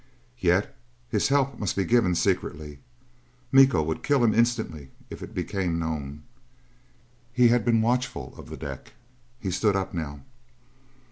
Yet his help must be given secretly. Miko would kill him instantly if it became known. He had been watchful of the deck. He stood up now.